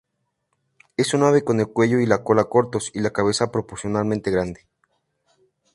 Es un ave con el cuello y cola cortos y la cabeza proporcionalmente grande.